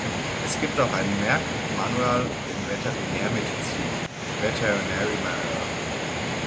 Es gibt auch ein Merck Manual in Veterinärmedizin (Veterinary Manual).